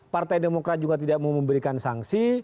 partai demokrat juga tidak mau memberikan sanksi